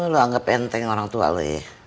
lu anggap penting orang tua lu ya